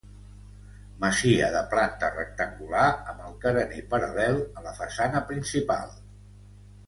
Masia de planta rectangular amb el carener paral·lel a la façana principal.